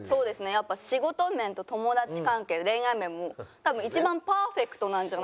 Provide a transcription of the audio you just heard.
やっぱ仕事面と友達関係恋愛面も多分一番パーフェクトなんじゃないかなって。